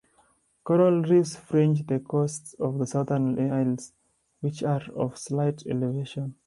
Coral reefs fringe the coasts of the southern isles, which are of slight elevation.